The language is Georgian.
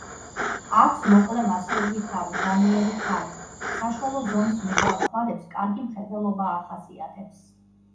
აქვს მოკლე მასიური თავი განიერი ქალით, საშუალო ზომის მრგვალ თვალებს კარგი მხედველობა ახასიათებს.